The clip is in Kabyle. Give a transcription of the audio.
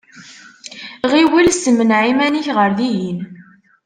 Ɣiwel, ssemneɛ iman-ik ɣer dihin.